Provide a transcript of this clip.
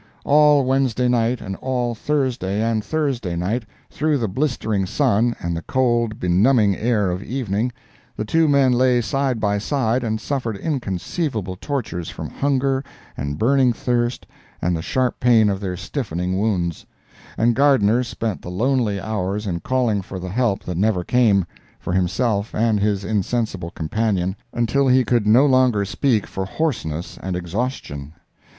All Wednesday night, and all Thursday and Thursday night, through the blistering sun, and the cold, benumbing air of evening, the two men lay side by side and suffered inconceivable tortures from hunger and burning thirst and the sharp pain of their stiffening wounds; and Gardner spent the lonely hours in calling for the help that never came, for himself and his insensible companion, until he could no longer speak for hoarseness and exhaustion.